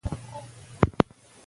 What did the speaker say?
ایا ژبه د زده کړې وسیله ده؟